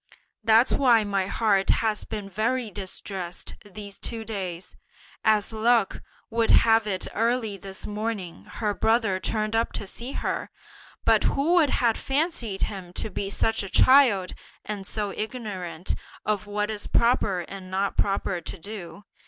That's why my heart has been very distressed these two days! As luck would have it early this morning her brother turned up to see her, but who would have fancied him to be such a child, and so ignorant of what is proper and not proper to do?